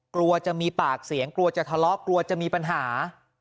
กลัวจะมีปากเสียงกลัวจะทะเลาะกลัวจะมีปัญหา